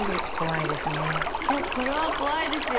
いやこれは怖いですよ。